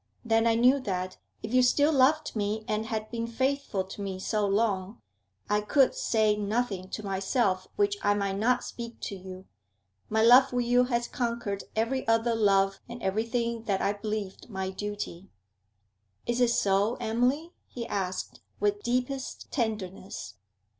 Then I knew that, if you still loved me and had been faithful to me so long, I could say nothing to myself which I might not speak to you. My love for you has conquered every other love and everything that I believed my duty.' 'Is it so, Emily?' he asked, with deepest tenderness.